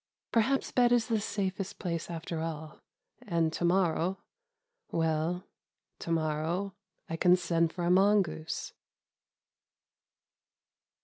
Perhaps bed is the safest place after all, and to morrow well, to morrow I can send for a mongoose.